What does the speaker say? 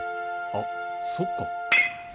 あそっか。